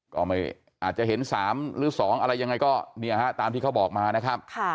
ก็อาจจะเห็น๓หรือ๒อะไรยังไงก็เนี่ยฮะตามที่เขาบอกมานะครับ